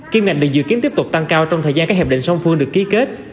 kim ngạch được dự kiến tiếp tục tăng cao trong thời gian các hiệp định song phương được ký kết